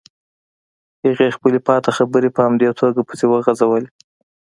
هغې خپلې پاتې خبرې په همدې توګه پسې وغزولې.